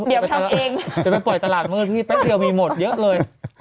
เดี๋ยวไปปล่อยตลาดเมื่อพี่แป๊บเดียวมีหมดเยอะเลย